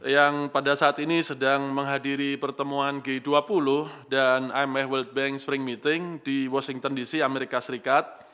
yang pada saat ini sedang menghadiri pertemuan g dua puluh dan imf world bank spring meeting di washington dc amerika serikat